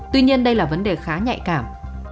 tuy nhiên đây là vấn đề khá nhạy cảm